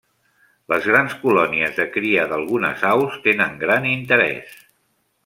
Les grans colònies de cria d'algunes aus tenen gran interès.